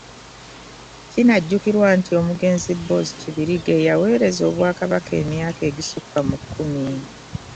Kinajjukirwa nti Omugenzi Boaz Kibirige yaweereza Obwakabaka emyaka egisukka mu kkumi.